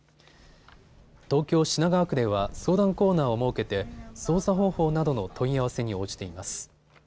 東京品川区では相談コーナーを設けて操作方法などの問い合わせに応じています。